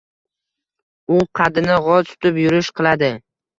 U qaddini gʻoz tutib yurish qiladi.